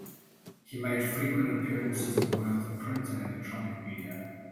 He made frequent appearances in both the print and electronic media.